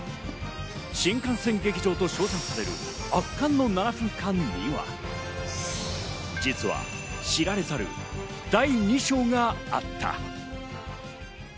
新幹線劇場と賞賛される圧巻の７分間には実は、知られざる第２章があった。